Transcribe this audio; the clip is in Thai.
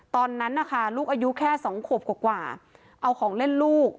ตอนนั้นนะคะลูกอายุแค่๒ขวบกว่าเอาของเล่นลูก